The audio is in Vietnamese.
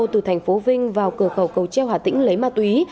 từ tp vinh vào cờ cầu cầu treo hà tĩnh lấy ma túy